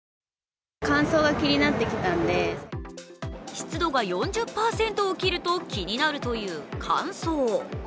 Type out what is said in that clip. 湿度が４０％を切ると気になるという乾燥。